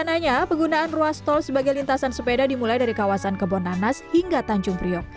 rencananya penggunaan ruas tol sebagai lintasan sepeda dimulai dari kawasan kebonanas hingga tanjung priok